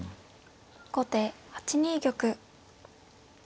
後手８二玉。